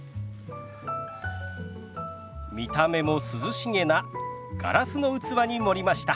見た目も涼しげなガラスの器に盛りました。